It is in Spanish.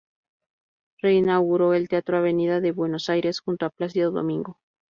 Reinauguró el Teatro Avenida de Buenos Aires junto a Plácido Domingo.